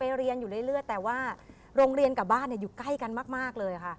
เรียนอยู่เรื่อยแต่ว่าโรงเรียนกับบ้านอยู่ใกล้กันมากเลยค่ะ